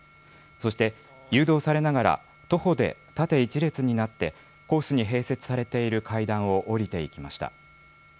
そして誘導されながら徒歩で縦１列になってコースに併設されている階段を降りていきました。